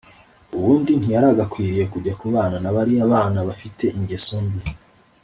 ubundi ntiyaragakwiye kujya kubana nabariya bana bafite ingeso mbi